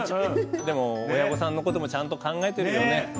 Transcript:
でも親御さんのこともちゃんと考えてるよね。